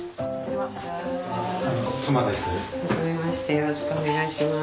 よろしくお願いします。